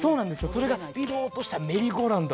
それがスピード落としたメリーゴーランド